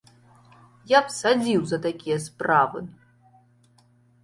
Я б садзіў за такія справы!